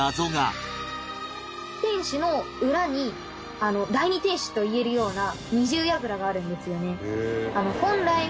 天守の裏に第２天守といえるような二重櫓があるんですよね。